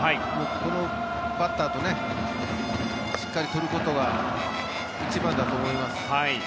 このバッターをしっかり取ることが一番だと思います。